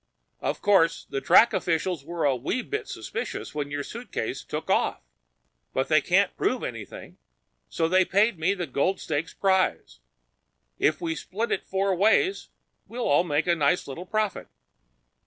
Of course the track officials were a wee bit suspicious when your suitcase took off. But they couldn't prove anything. So they paid me the Gold Stakes prize. If we split it four ways, we all make a nice little profit.